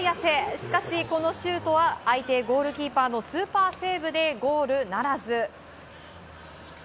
しかし、このシュートは相手ゴールキーパーのスーパーセーブでゴールならず。